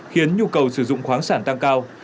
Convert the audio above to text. khiến nhu cầu sử dụng khoáng sản tăng cao